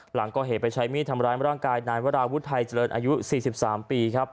หลังก่อเหตุไปใช้มีดทำร้ายร่างกายนานเวลาพระวิทย์ไทยเจริญอายุ๔๓ปี